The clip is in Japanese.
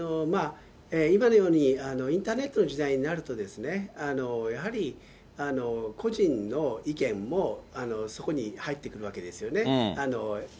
今のようにインターネットの時代になると、やはり個人の意見もそこに入ってくるわけですよね。